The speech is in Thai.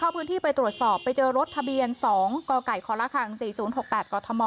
พื้นที่ไปตรวจสอบไปเจอรถทะเบียน๒กกคลค๔๐๖๘กม